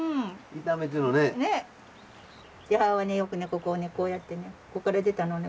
母はねよくねここをねこうやってねこっから出たのをね